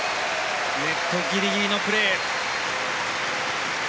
ネットギリギリのプレー。